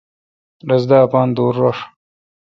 رس دا اپان دور رݭ۔